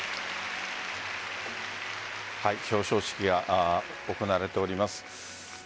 表彰式が行われております。